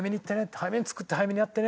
早めに作って早めにやってね。